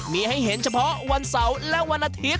มีให้เห็นเฉพาะวันเสาร์และวันอาทิตย